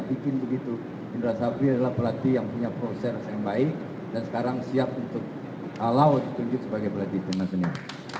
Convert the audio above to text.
bikin begitu indra safri adalah pelatih yang punya proses yang baik dan sekarang siap untuk kalau ditunjuk sebagai pelatih timnas senior